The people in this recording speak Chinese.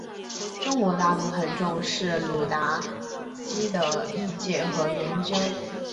中国大陆很重视鲁达基的译介和研究。